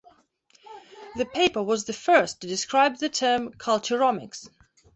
The paper was the first to describe the term culturomics.